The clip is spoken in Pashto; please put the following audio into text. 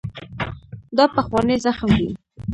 دا پخوانی زخم دی.